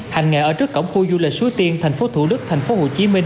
hành nghệ ở trước cổng khu du lịch xuế tiên thành phố thủ đức thành phố hồ chí minh